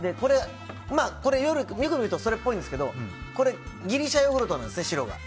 これよく見るとそれっぽいんですけどギリシャヨーグルトなんです白が。